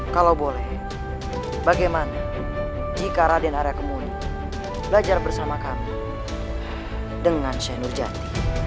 kalau boleh bagaimana jika raden arya kemuni belajar bersama kami dengan syekh nurjati